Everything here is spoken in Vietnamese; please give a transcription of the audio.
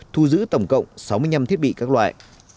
thu giữ tổng cộng sáu mươi năm thiết bị các loại